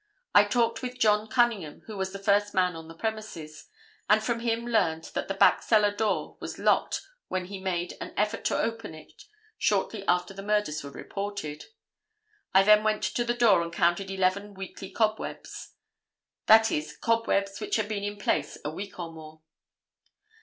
I talked with John Cunningham who was the first man on the premises, and from him learned that the back cellar door was locked when he made an effort to open it shortly after the murders were reported. I then went to the door and counted eleven weekly cobwebs, that is cobwebs which had been in place a week or more.